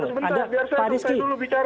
bentar bentar biar saya dulu bicara